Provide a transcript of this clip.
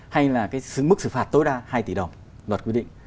hay là cái mức xử phạt tối đa hai tỷ đồng luật quy định